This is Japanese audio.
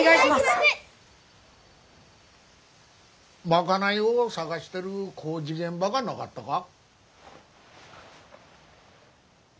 賄い婦を探してる工事現場がなかったか？